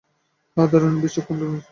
হ্যাঁ, দারুণ বিচক্ষণ তুমি।